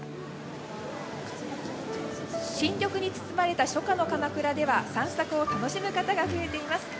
新緑に包まれた初夏の鎌倉では散策を楽しむ方が増えています。